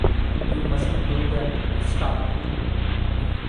You mustn't do that. Stop it!